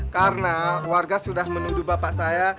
karena warga sudah menuduh bapak saya